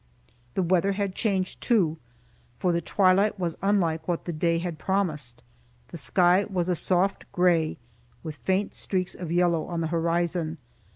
The weather had changed, too, for the twilight was unlike what the day had promised. The sky was soft gray, with faint streaks of yellow on the horizon.